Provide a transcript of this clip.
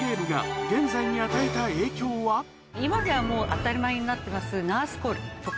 今ではもう当たり前になってます。